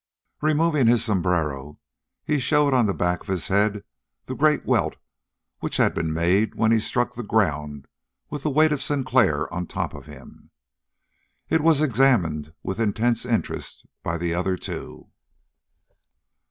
Removing his sombrero he showed on the back of his head the great welt which had been made when he struck the ground with the weight of Sinclair on top of him. It was examined with intense interest by the other two.